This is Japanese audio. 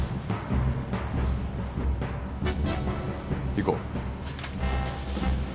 行こう。